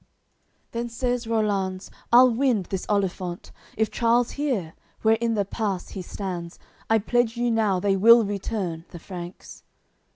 AOI. CXXIX Then says Rollanz: "I'll wind this olifant, If Charles hear, where in the pass he stands, I pledge you now they will return, the Franks."